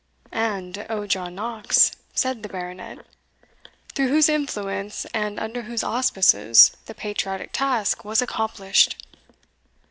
"And, O John Knox" said the Baronet, "through whose influence, and under whose auspices, the patriotic task was accomplished!"